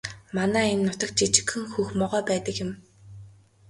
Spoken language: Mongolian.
Манай энэ нутагт жижигхэн хөх могой байдаг юм.